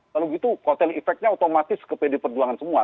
kalau gitu efeknya otomatis ke pdip semua